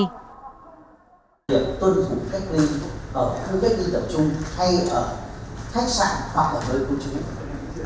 được tuân thủ cách ly ở các khu cách ly tập trung hay ở khách sạn hoặc ở nơi khu trung